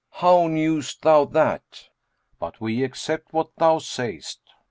[FN#391] How knewest thou that? But we accept what thou sayst."